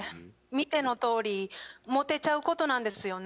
見てのとおりモテちゃうことなんですよね。